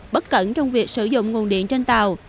bất cẩn trong việc sử dụng nguồn điện trên tàu